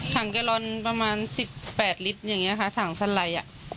ถังแกรรอนประมาณ๑๘ลิตรอย่างนี้ค่ะถังสันไร่